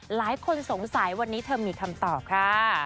หลายคนสงสัยวันนี้เธอมีคำตอบค่ะ